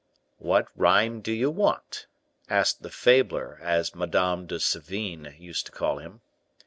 "What rhyme do you want?" asked the Fabler as Madame de Sevigne used to call him.